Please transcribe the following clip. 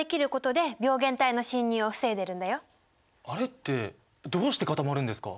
あれってどうして固まるんですか？